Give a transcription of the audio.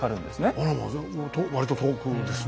あらま割と遠くですなあ。